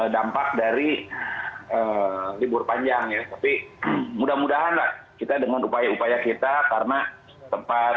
dampak dari libur panjang ya tapi mudah mudahan lah kita dengan upaya upaya kita karena tempat